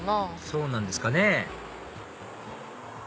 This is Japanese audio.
そうなんですかね